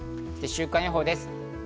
週間予報です。